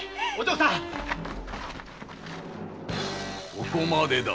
そこまでだ。